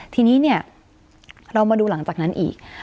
ทีนี้เนี่ยเรามาดูหลังจากนั้นอีก